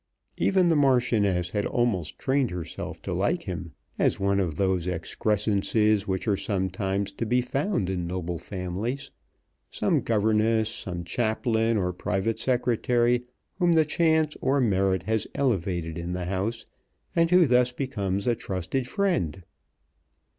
Even the Marchioness had almost trained herself to like him, as one of those excrescences which are sometimes to be found in noble families, some governess, some chaplain or private secretary, whom chance or merit has elevated in the house, and who thus becomes a trusted friend.